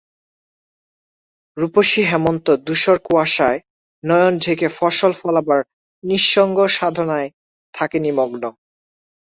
রূপসী হেমন্ত ধূসর কুয়াশায় নয়ন ঢেকে ফসল ফলাবার নিঃসঙ্গ সাধণায় থাকে নিমগ্ন।